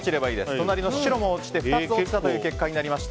隣の白も落ちて２つ落ちた結果になりました。